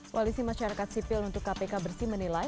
koalisi masyarakat sipil untuk kpk bersih menilai